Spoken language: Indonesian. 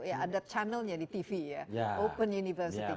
ya ada channelnya di tv ya open university